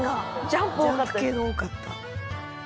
ジャンプ系が多かった。